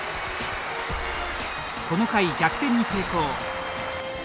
この回逆転に成功。